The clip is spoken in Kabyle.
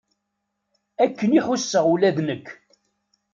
Akken i ḥusseɣ ula d nekk.